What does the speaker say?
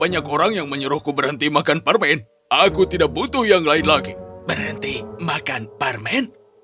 banyak orang yang menyuruhku berhenti makan permen aku tidak butuh yang lain lagi berhenti makan permen